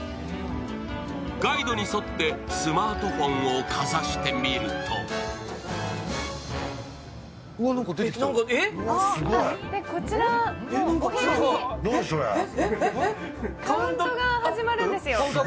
ガイドに沿ってスマートフォンをかざしてみるとカウントが始まるんですよ。